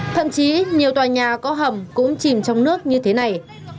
thậm chí nhiều tòa nhà có hầm cũng chìm trong nước như thế này